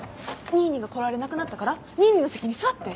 ニーニーが来られなくなったからニーニーの席に座って！